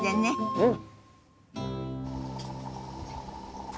うん！